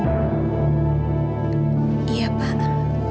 jangan sampai kesalahpahaman ini berlarut larut